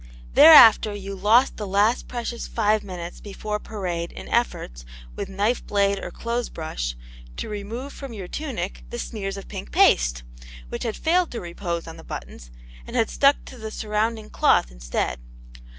Thereafter you lost the last precious five minutes before parade in efforts, with knife blade or clothesbrush, to remove from your tunic the smears of pink paste which had failed to repose on the buttons and had stuck to the surrounding cloth instead.